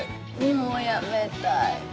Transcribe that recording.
もう辞めたい。